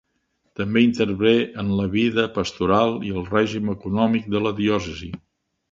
També intervé en la vida pastoral i el règim econòmic de la diòcesi.